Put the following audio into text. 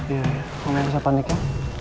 ya ya ma nggak bisa panik ya